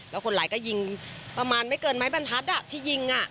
แล้วคนร้ายก็ยิงประมาณไม่เกินไม้บรรทัศน์ที่ยิง